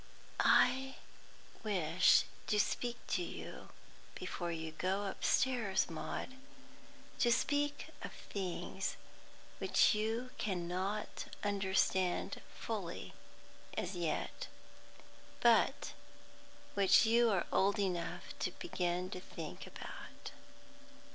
"I wish to speak to you before you go upstairs, Maud; to speak of things which you cannot understand fully as yet, but which you are old enough to begin to think about."